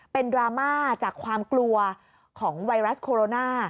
เป็นดราม่าจากความกลัวของไวรัสโคโรนา